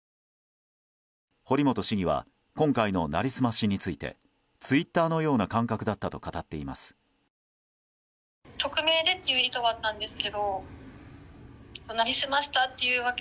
堀本市議は今回の成り済ましについてツイッターのような感覚だったと語っています。